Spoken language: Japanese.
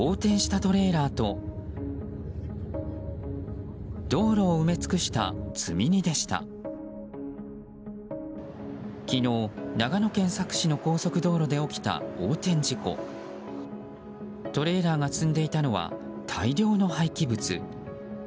トレーラーが積んでいたのは大量の廃棄物。